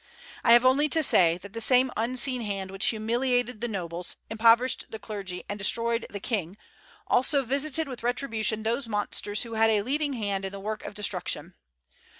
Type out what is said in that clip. I have only to say, that the same unseen hand which humiliated the nobles, impoverished the clergy, and destroyed the King, also visited with retribution those monsters who had a leading hand in the work of destruction.